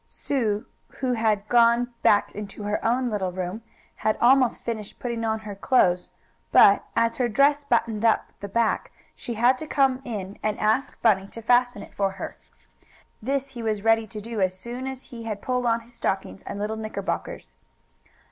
Sue, who had gone back into her own little room, had almost finished putting on her clothes, but, as her dress buttoned up the back, she had to come in and ask Bunny to fasten it for her. This he was ready to do as soon as he had pulled on his stockings and little knickerbockers.